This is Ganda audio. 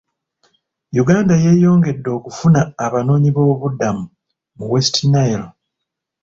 Uganda yeeyongedde okufuna abanoonyiboobubudamu mu West Nile.